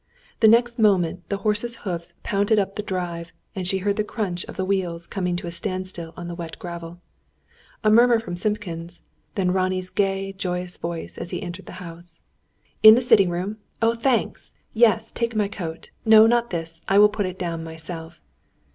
The next moment the horses' hoofs pounded up the drive, and she heard the crunch of the wheels coming to a standstill on the wet gravel. A murmur from Simpkins, then Ronnie's gay, joyous voice, as he entered the house. "In the sitting room? Oh, thanks! Yes, take my coat. No, not this. I will put it down myself."